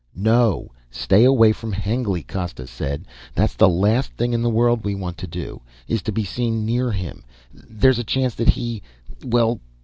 "No. Stay away from Hengly," Costa said. "The last thing in the world we want to do, is to be seen near him. There's a chance that he ... well